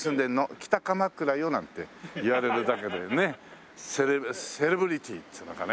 「北鎌倉よ」なんて言われるだけでねセレブリティーっていうのかね。